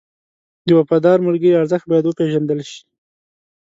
د وفادار ملګري ارزښت باید وپېژندل شي.